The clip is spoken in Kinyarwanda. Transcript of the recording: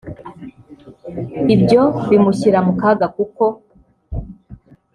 ibyo bimushyira mu kaga kuko